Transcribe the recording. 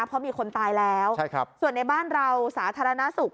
เพราะมีคนตายแล้วส่วนในบ้านเราสาธารณสุข